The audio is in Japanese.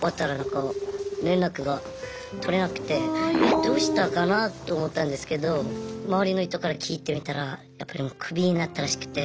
どうしたかなと思ったんですけど周りの人から聞いてみたらやっぱりもうクビになったらしくて。